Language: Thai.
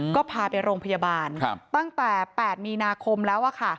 ก็พาไปโรงพยาบาลตั้งแต่๘มีนาคมแล้ว